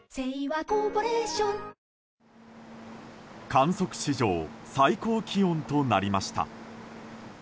観測史上最高気温となりました。